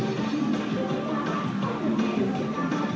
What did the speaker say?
ตรงตรงตรงตรง